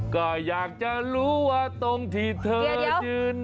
ก็อยากจะรู้ว่าตรงที่เธอยืน